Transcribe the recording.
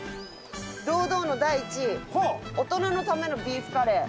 堂々の第１位大人のためのビーフカレー。